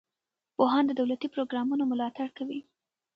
پوهان د دولتي پروګرامونو ملاتړ کوي.